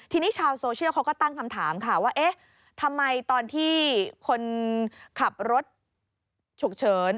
ทีนี้ชาวโซเชียลเขาก็ตั้งคำถามค่ะว่าเอ๊ะทำไมตอนที่คนขับรถฉุกเฉิน